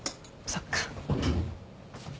そっか。